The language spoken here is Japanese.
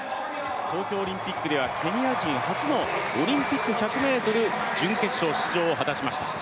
東京オリンピックではケニア人初のオリンピック１００ｍ準決勝出場を果たしました。